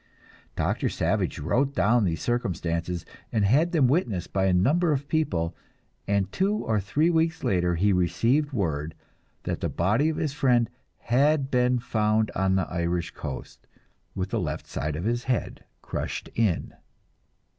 Doctor Savage wrote down these circumstances and had them witnessed by a number of people, and two or three weeks later he received word that the body of his friend had been found on the Irish coast, with the left side of the head crushed in.